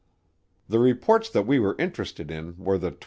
The reports that we were interested in were the 26.